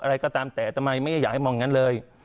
อะไรก็ตามแต่ทำไมไม่อยากให้มองอย่างนั้นเลย